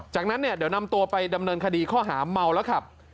จากนั้นเนี่ยเดี๋ยวนำตัวไปดำเนินคดีข้อหาเมาแล้วขับ